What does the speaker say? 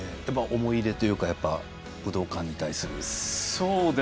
思い入れというか武道館に対する。